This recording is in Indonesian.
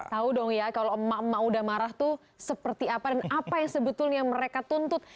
tahu dong ya kalau emak emak udah marah tuh seperti apa dan apa yang sebetulnya mereka tuntut